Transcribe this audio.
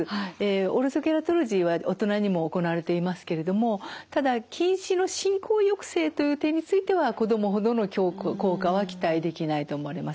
オルソケラトロジーは大人にも行われていますけれどもただ近視の進行抑制という点については子どもほどの効果は期待できないと思われます。